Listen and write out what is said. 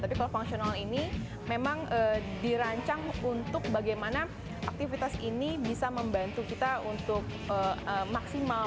tapi kalau fungsional ini memang dirancang untuk bagaimana aktivitas ini bisa membantu kita untuk maksimal